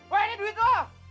wah ini duit lo